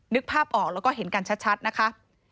นึกภาพออกแล้วก็เห็นกันชัดนะคะ